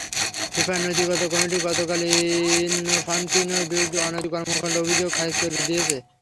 ফিফার নৈতিকতা কমিটি গতকাল ইনফান্তিনোর বিরুদ্ধে অনৈতিক কর্মকাণ্ডের অভিযোগ খারিজ করে দিয়েছে।